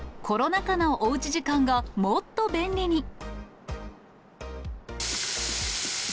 コロナ禍のおうち時間が、もっと便利に。